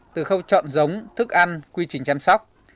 từ khâu chọn giống thức ăn quy trình chăm sóc